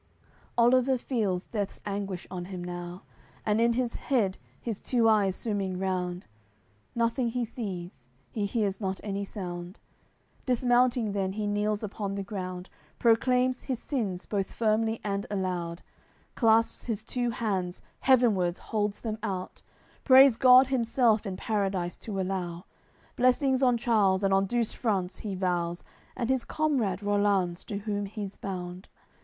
CL Oliver feels death's anguish on him now; And in his head his two eyes swimming round; Nothing he sees; he hears not any sound; Dismounting then, he kneels upon the ground, Proclaims his sins both firmly and aloud, Clasps his two hands, heavenwards holds them out, Prays God himself in Paradise to allow; Blessings on Charles, and on Douce France he vows, And his comrade, Rollanz, to whom he's bound.